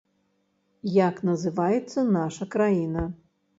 Як называецца наша краіна?